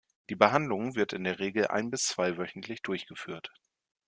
Die Behandlung wird in der Regel ein- bis zweiwöchentlich durchgeführt.